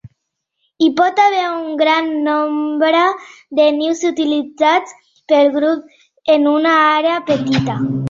Hi pot haver un gran nombre de nius utilitzats pel grup en una àrea petita.